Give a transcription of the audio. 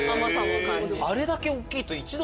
あれだけ大きいと。